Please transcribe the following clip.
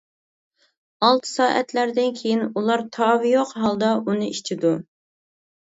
ئالتە سائەتلەردىن كېيىن ئۇلار تاۋى يوق ھالدا ئۇنى ئىچىدۇ.